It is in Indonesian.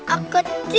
aku kecil tuh ma